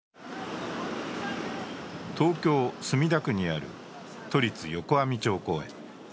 東京・墨田区にある都立横網町公園。